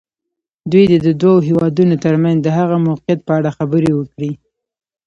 دوی دې د دوو هېوادونو تر منځ د هغه موقعیت په اړه خبرې وکړي.